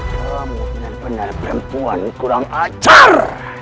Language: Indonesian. kalau benar benar perempuan kurang ajar